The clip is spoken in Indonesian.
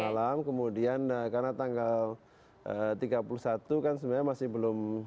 malam kemudian karena tanggal tiga puluh satu kan sebenarnya masih belum